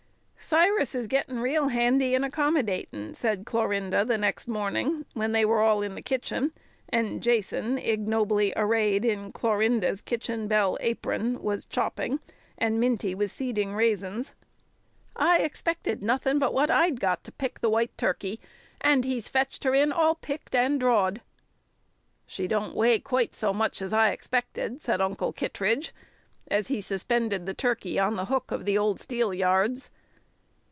"Cyrus is gettin' real handy and accommodatin'," said Clorinda the next morning, when they were all in the kitchen, and Jason, ignobly arrayed in Clorinda's kitchen belle apron, was chopping, and Minty was seeding raisins. "I expected nothin' but what I'd got to pick the white turkey, and he's fetched her in all picked and drawed." "She don't weigh quite so much as I expected," said Uncle Kittredge, as he suspended the turkey on the hook of the old steelyards.